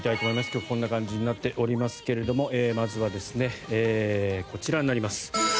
今日、こんな感じになっておりますがまずは、こちらになります。